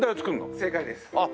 正解です。